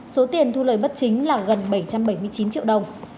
số tiền thu lợi bất chính là gần bảy trăm bảy mươi triệu đồng